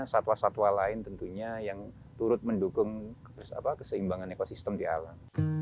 satwa satwa lain tentunya yang turut mendukung keseimbangan ekosistem di alam